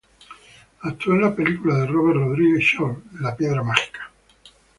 Actuó en la película de Robert Rodríguez "Shorts: La piedra mágica".